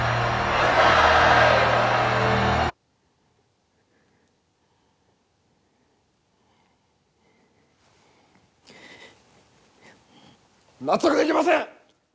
万歳！納得できません！